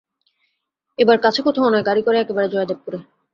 এবার কাছে কোথাও নয়, গাড়ি করে একেবারে জয়দেবপুরে।